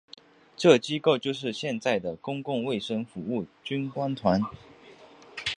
这机构就是现在的公共卫生服务军官团。